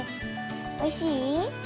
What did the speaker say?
おいしい？